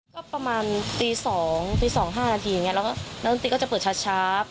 ก็ประมาณตี๒๕นาทีอย่างนี้แล้วน้องตีก็จะเปิดช้า